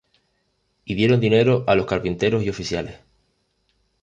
Y dieron dinero á los carpinteros y oficiales;